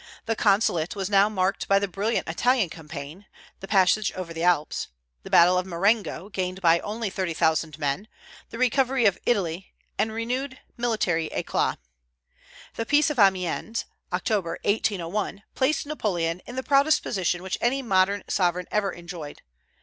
The consulate was now marked by the brilliant Italian campaign, the passage over the Alps; the battle of Marengo, gained by only thirty thousand men; the recovery of Italy, and renewed military éclat. The Peace of Amiens, October, 1801, placed Napoleon in the proudest position which any modern sovereign ever enjoyed.